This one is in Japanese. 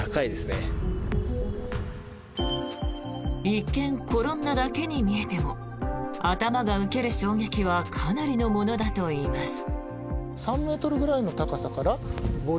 一見、転んだだけに見えても頭が受ける衝撃はかなりのものだといいます。